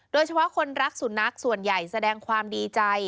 โดยเฉพาะคนรักสุนัขส่วนใหญ่แสดงความดีใจ